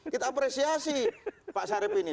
kita apresiasi pak sarip ini